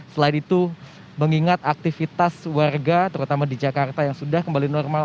selain itu mengingat aktivitas warga terutama di jakarta yang sudah kembali normal